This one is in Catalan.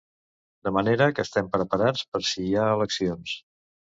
De manera que estem preparats per si hi ha eleccions.